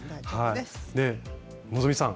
で希さん